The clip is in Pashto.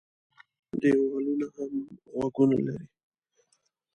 دېوالونه هم غوږونه لري.